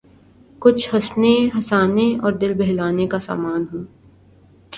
کچھ ہنسنے ہنسانے اور دل بہلانے کا سامان ہو۔